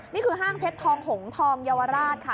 นี่คือห้างเพชรทองหงษ์ทองยาวราชค่ะ